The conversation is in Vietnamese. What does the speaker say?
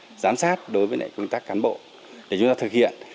nội dung kiểm tra giám sát đối với công tác cán bộ để chúng ta thực hiện